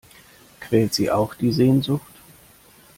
Quält Sie auch die Sehnsucht?